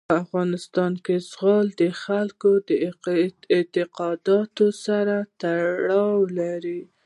په افغانستان کې زغال د خلکو د اعتقاداتو سره تړاو لري.